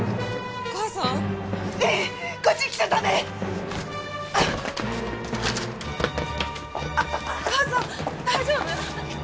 お母さん大丈夫？血！